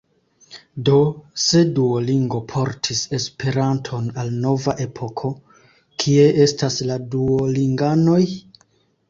Do, se Duolingo portis Esperanton al nova epoko, kie estas la Duolinganoj?